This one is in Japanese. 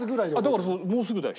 だからもうすぐだよ。